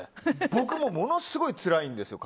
僕もものすごいつらいんですよ